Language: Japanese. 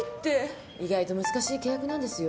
意外と難しい契約なんですよ。